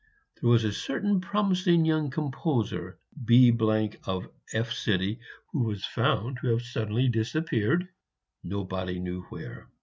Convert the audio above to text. There was a certain promising young composer, B of F , who was found to have suddenly disappeared, nobody knew where.